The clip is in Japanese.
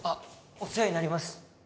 お世話になります